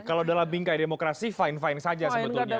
kalau dalam bingkai demokrasi fine fine saja sebetulnya